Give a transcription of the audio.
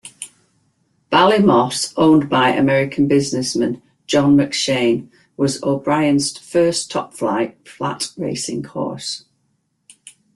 Ballymoss, owned by American businessman John McShain, was O'Brien's first top-flight flat racing horse.